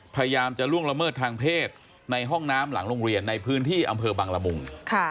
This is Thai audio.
พยายามจะล่วงละเมิดทางเพศในห้องน้ำหลังโรงเรียนในพื้นที่อำเภอบังละมุง